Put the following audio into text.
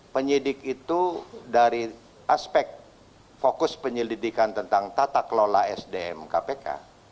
penyidik itu dari aspek fokus penyelidikan tentang tata kelola sdm kpk